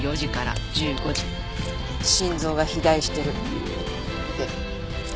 心臓が肥大してる。